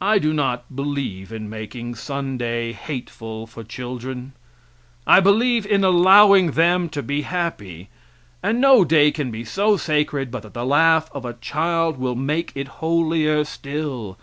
I do not believe in making Sunday hateful for children. I believe in allowing them to be happy, and no day can be so sacred but that the laugh of a child will make it holier still.